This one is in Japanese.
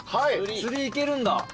釣り行けるんだ。